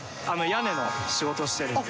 屋根の仕事してるんで。